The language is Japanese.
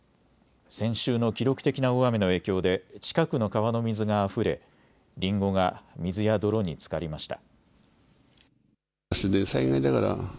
先週の記録的な大雨の影響で近くの川の水があふれりんごが水や泥につかりました。